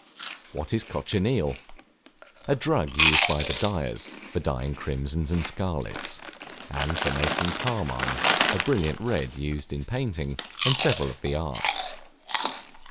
What is Cochineal? A drug used by the dyers, for dyeing crimsons and scarlets; and for making carmine, a brilliant red used in painting, and several of the arts.